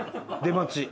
出待ち。